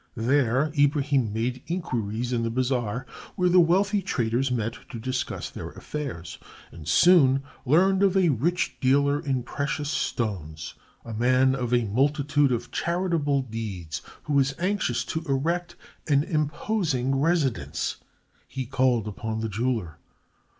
There Ibrahim made inquiries in the bazaar where the wealthy traders met to discuss their affairs, and soon learned of a rich dealer in precious stones, a man of a multitude of charitable deeds, who was anxious to erect an imposing residence. He called upon the jeweler.